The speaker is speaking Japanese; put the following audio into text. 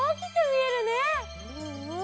うんうん。